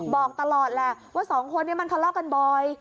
บอกตลอดแหละว่าสองคนนี้มันทะเลาะกันบ่อย